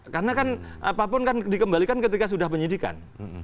karena kan apapun kan dikembalikan ketika sudah penyidikan